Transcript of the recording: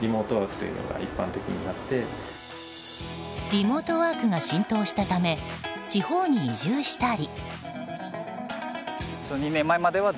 リモートワークが浸透したため地方に移住したり。